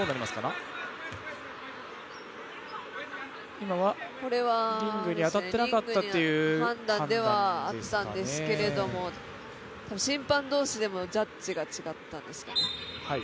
今はリングに当たっていたという判断ではあるんですけれども審判同士でもジャッジが違ったんですね。